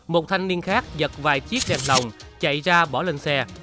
một thanh niên khác giật vài chiếc đèn lồng chạy ra bỏ lên xe